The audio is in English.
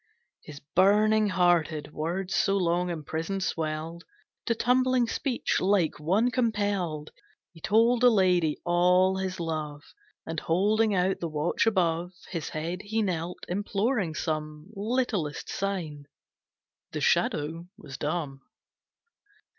His burning hearted Words so long imprisoned swelled To tumbling speech. Like one compelled, He told the lady all his love, And holding out the watch above His head, he knelt, imploring some Littlest sign. The Shadow was dumb.